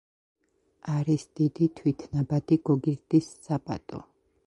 არის დიდი თვითნაბადი გოგირდის საბადო.